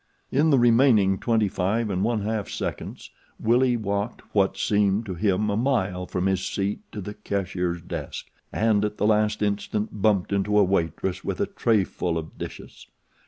In the remaining twenty five and one half seconds Willie walked what seemed to him a mile from his seat to the cashier's desk and at the last instant bumped into a waitress with a trayful of dishes.